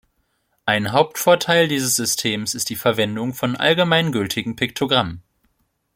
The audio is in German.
Ein Hauptvorteil dieses Systems ist die Verwendung von allgemein gültigen Piktogrammen.